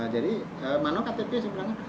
jadi mana ktp sebenarnya